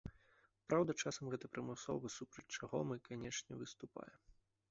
Праўда, часам гэта прымусова, супраць чаго мы, канечне, выступаем.